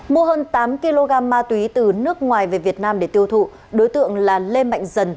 mua hơn tám kg ma túy từ nước ngoài về việt nam để tiêu thụ đối tượng là lê mạnh dần